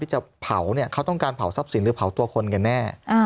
จะเผาเนี่ยเขาต้องการเผาทรัพย์สินหรือเผาตัวคนกันแน่